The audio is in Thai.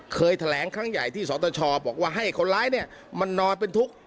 เคยแถลงครั้งใหญ่ที่สตชบอกว่าให้คนร้ายเนี่ยมันนอนเป็นทุกข์